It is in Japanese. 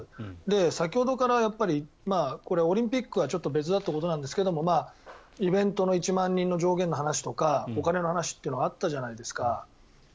先ほどからこれはオリンピックはちょっと別だということですがイベントの１万人の上限の話とかお金の話っていうのがあったじゃないですか。